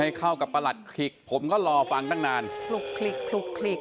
ไอ้ก้าวกับประหลัดกิกผมก็รอฟังตั้งนานคุกคิกคุกคลิก